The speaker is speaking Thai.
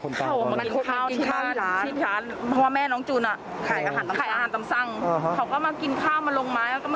กลับไปลองกลับ